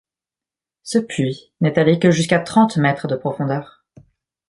Ce puits n'est allé que jusqu'à trente mètres de profondeur.